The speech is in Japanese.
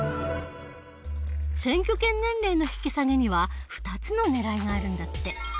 選挙権年齢の引き下げには２つのねらいがあるんだって。